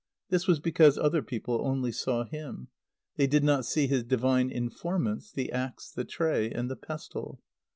This was because other people only saw him. They did not see his divine informants, the axe, the tray, and the pestle.